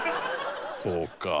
そうか。